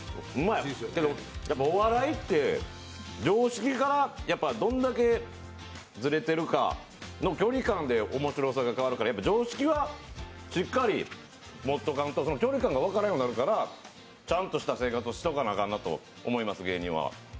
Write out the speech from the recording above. やっぱ、お笑いって常識からどんだけずれてるかの距離感で面白さが変わるから、常識はしっかり持っておかんと、距離感が分からんようになるからちゃんとした生活をしとかないかんなと思います、芸人は。